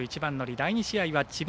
第２試合は智弁